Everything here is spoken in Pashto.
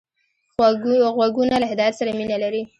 غوږونه له هدایت سره مینه لري